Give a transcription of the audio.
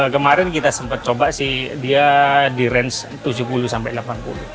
kemarin kita sempat coba sih dia di range tujuh puluh sampai delapan puluh